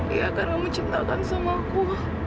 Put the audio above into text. iya kan kamu cintakan sama aku